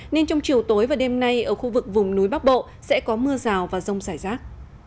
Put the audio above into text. nên trong chiều tối và đêm nay ở khu vực vùng núi bắc bộ sẽ có mưa rào và rông rải rác